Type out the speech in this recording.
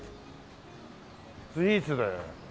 スイーツだよ。